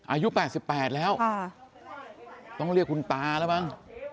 อายุ๘๘แล้วต้องเรียกคุณตาแล้วมั้ง